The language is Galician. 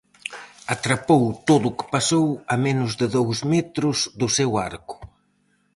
Atrapou todo o que pasou a menos de dous metros do seu arco.